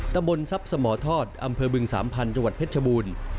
ตะบนซับสมอทอดอำเภอบึง๓พันธุ์จังหวัดเพชรบูรณ์